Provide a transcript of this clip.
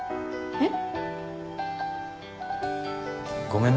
えっ！